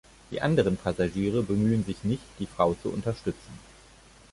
Die anderen Passagiere bemühen sich nicht, die Frau zu unterstützen.